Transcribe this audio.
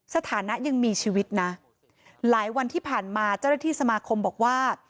สถานะยังมีชีวิตนะหลายวันที่ผ่านมาเจ้าหน้าที่สมาคมบอกว่า